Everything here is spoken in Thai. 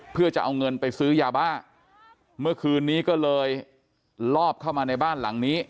เพื่อจะเอาเงินไปซื้อยาบ้าเมื่อคืนนี้ก็เลยลอบเข้ามาในบ้านหลังนี้